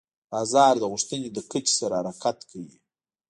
بازار د غوښتنې له کچې سره حرکت کوي.